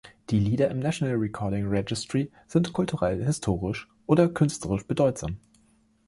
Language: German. Die Lieder im National Recording Registry sind kulturell, historisch oder künstlerisch bedeutsam.